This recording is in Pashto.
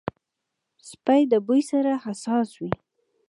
سپي د بوی سره حساس وي.